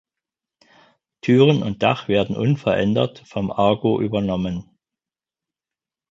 Türen und Dach werden unverändert vom Argo übernommen.